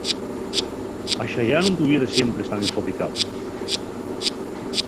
Axallá nun tuviere siempres tan enfocicáu.